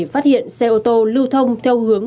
phát hiện xe ô tô lưu thông theo hướng